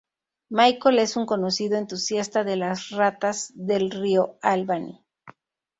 Michael es un conocido entusiasta de las ratas del río Albany.